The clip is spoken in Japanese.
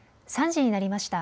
３時になりました。